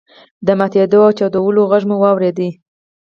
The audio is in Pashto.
د ماتیدو او چاودلو غږ مو اوریدلی دی.